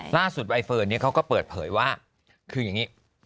ล่าสุดใบเฟิร์ดนี้เขาก็เปิดเผยว่าคืออย่างนี้